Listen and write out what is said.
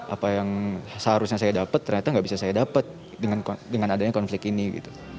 apa yang seharusnya saya dapat ternyata nggak bisa saya dapat dengan adanya konflik ini gitu